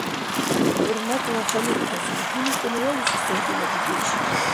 ХӀурматла Халид-ази, хӀуникӀун валуси сай дила дудеш?